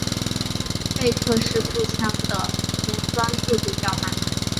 贝克式步枪的填装速度较慢。